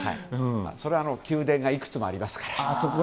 それは宮殿がいくつもありますから。